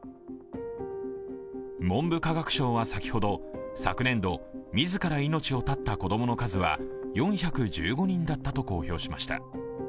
文部科学省は先ほど、昨年度自ら命を絶った子供の数は４１５人だったと公表しました。